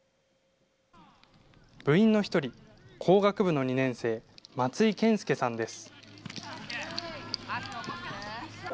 部員の１人、工学部の２年生、松井謙介さんです。